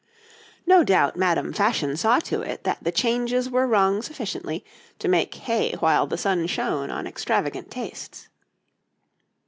No doubt Madame Fashion saw to it that the changes were rung sufficiently to make hay while the sun shone on extravagant tastes.